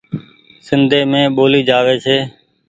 سندي مين ٻولي جآوي ڇي ۔